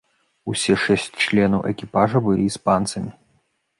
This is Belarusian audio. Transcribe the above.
Усе шэсць членаў экіпажа былі іспанцамі.